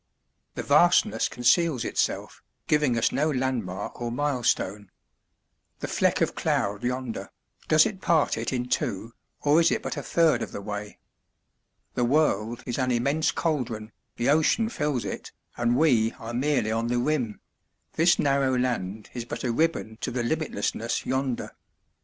The vastness conceals itself, giving us no landmark or milestone. The fleck of cloud yonder, does it part it in two, or is it but a third of the way? The world is an immense cauldron, the ocean fills it, and we are merely on the rim this narrow land is but a ribbon to the limitlessness yonder.